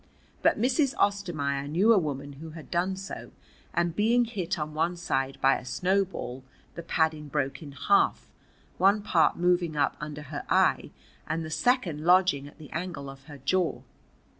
But Mrs. Ostermaier knew a woman who had done so, and being hit on one side by a snowball, the padding broke in half, one part moving up under her eye and the second lodging at the angle of her jaw.